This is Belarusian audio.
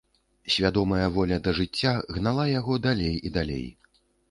Свядомая воля да жыцця гнала яго далей і далей.